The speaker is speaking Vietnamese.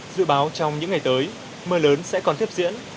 dự báo trong những ngày tới mưa lớn sẽ còn tiếp diễn